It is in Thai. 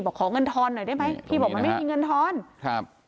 ขอเงินทอนหน่อยได้ไหมพี่บอกมันไม่มีเงินทอนครับ